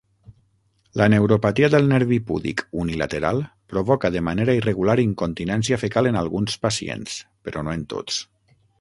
La neuropatia del nervi púdic unilateral provoca de manera irregular incontinència fecal en alguns pacients, però no en tots.